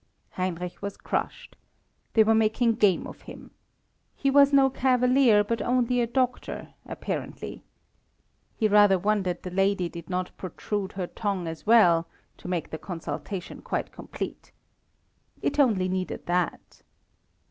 Heinrich was crushed. They were making game of him. He was no cavalier, but only a doctor, apparently. He rather wondered the lady did not protrude her tongue as well, to make the consultation quite complete. It only needed that.